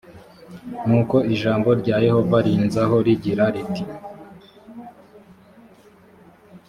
nuko ijambo rya yehova rinzaho rigira riti